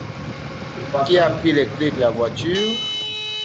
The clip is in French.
Qui a pris les clefs de la voiture?